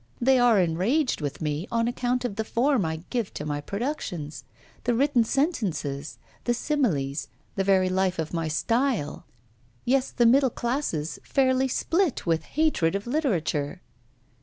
They are enraged with me on account of the form I give to my productions, the written sentences, the similes, the very life of my style. Yes, the middle classes fairly split with hatred of literature!